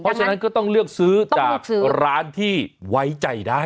เพราะฉะนั้นก็ต้องเลือกซื้อจากร้านที่ไว้ใจได้